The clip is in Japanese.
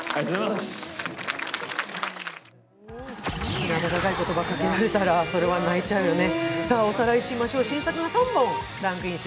あんな温かい言葉かけられたら泣いちゃうよね。